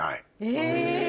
え！